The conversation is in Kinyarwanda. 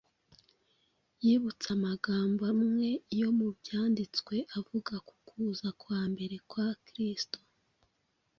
yibutse amagambo amwe yo mu Byanditswe avuga ku kuza kwa mbere kwa Kristo.